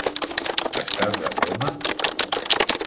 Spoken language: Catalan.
Estàs de broma!